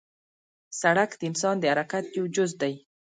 سړک د انسان د حرکت یو جز دی.